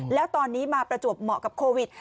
แล้วตอนนี้มาประจวบเหมาะกับโควิด